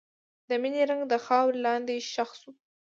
د مینې رنګ د خاورې لاندې ښخ شو.